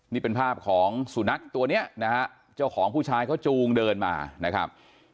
นี่เป็นภาพของสุนัขตัวนี้นะฮะเจ้าของผู้ชายเขาจูงเดินมานะครับ